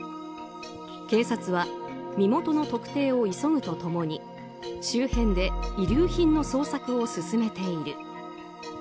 警察は身元の特定を急ぐと共に周辺で遺留品の捜索を進めている。